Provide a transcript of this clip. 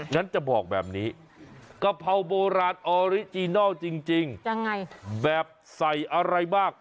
งั้นจะบอกแบบนี้กะเพราโบราณออริจินัลจริงแบบใส่อะไรบ้าง